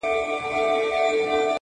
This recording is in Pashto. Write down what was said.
تا پټ کړی تر خرقې لاندي تزویر دی؛